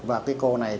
và cái cô này